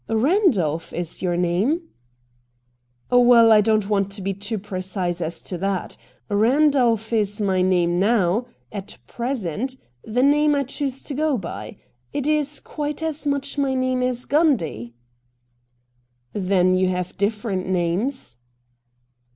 * Eandolph is your name ?'' Well, I don't want to be too precise as to that. Eandolph is my name now — at present — the name I choose to go by. It is quite as much my name as Gundy.' ' Then you have different names